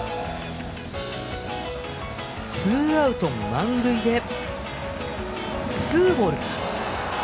ツーアウト、満塁でツーボール。